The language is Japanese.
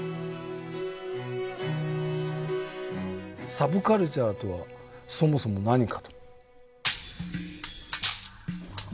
サブカルチャーとはそもそも何かと。